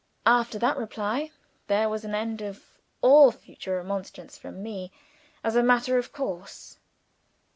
After that reply, there was an end of all further remonstrance from me, as a matter of course.